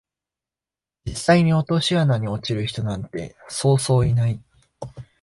実際に落とし穴に落ちる人なんてそうそういない